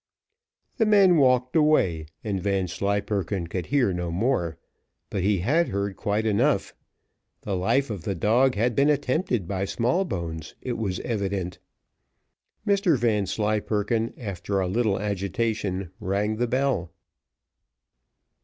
The men walked away, and Vanslyperken could hear no more; but he had heard quite enough. The life of the dog had been attempted by Smallbones, it was evident. Mr Vanslyperken, after a little agitation, rang the bell.